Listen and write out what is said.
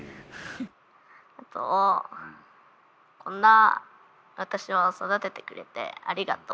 あとこんな私を育ててくれてありがとう。